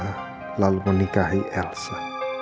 selalu menikahi elsa